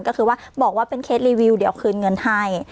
ก็คือว่าบอกว่าเป็นเคสรีวิวเดี๋ยวคืนเงินให้